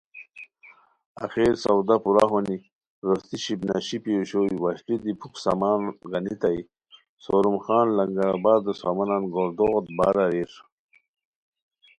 آخر سودا پورا ہونی روشتی شیپ نا شیپی اوشوئے وشلی دی پُھک سامان گانیتائے سوروم خان لنگر آبادو سامانن گوردوغوت بار اریر